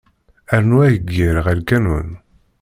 Rnu ageyyir ɣer lkanun.